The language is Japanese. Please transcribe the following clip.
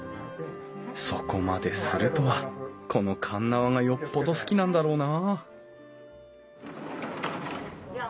そこまでするとはこの鉄輪がよっぽど好きなんだろうなあ